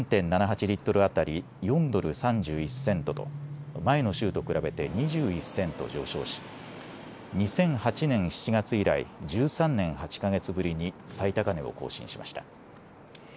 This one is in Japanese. リットル当たり４ドル３１セントと前の週と比べて２１セント上昇し２００８年７月以来、１３年８か月ぶりに最高値を更新しました。